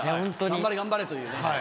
頑張れ、頑張れというね。